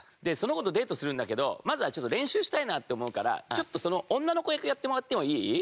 でその子とデートするんだけどまずはちょっと練習したいなって思うからちょっとその女の子役やってもらってもいい？